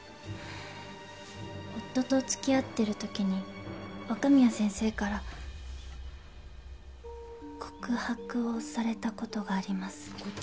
夫と付き合ってるときに若宮先生から告白をされたことがあります。